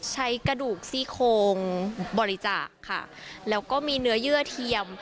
ใช้กระดูกซี่โคงบริจาคค่ะแล้วก็มีเนื้อเยื่อเทียม